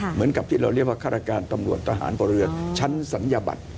เหมือนกับที่เราเรียกว่าฆาตการตำรวจทหารพลเรือชั้นศัลยบัตร